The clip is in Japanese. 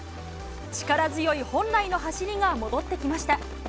力強い本来の走りが戻ってきました。